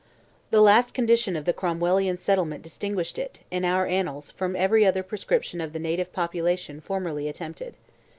This last condition of the Cromwellian settlement distinguished it, in our annals, from every other proscription of the native population formerly attempted.